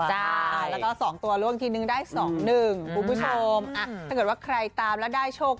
ใช่แล้วก็๒ตัวล่วงทีนึงได้๒๑คุณผู้ชมถ้าเกิดว่าใครตามแล้วได้โชค